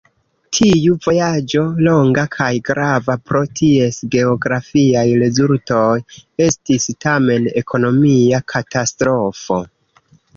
Tiu vojaĝo, longa kaj grava pro ties geografiaj rezultoj, estis tamen ekonomia katastrofo.